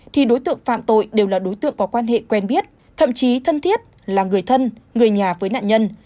thì đối tượng phạm tội đều là đối tượng có quan hệ quen biết thậm chí thân thiết là người thân người nhà với nạn nhân